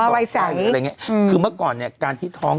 อ๋อวัยใสคือไงคือเมื่อก่อนการที่ท้อง